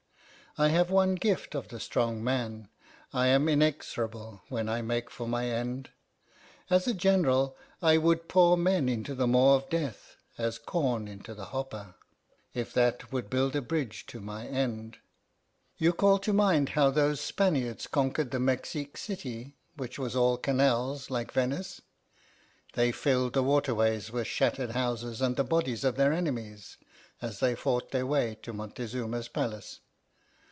I have one gift of the strong man I am inexorable when I make for my end. As a general, I would pour men into the maw of death as corn into the hopper, if that would build a bridge to my end. You call to mind how those Spaniards conquered the Mexique city which was all canals like Venice? They filled the waterways with shattered houses and the bodies of their enemies, as they fought their way to Montezuma's palace.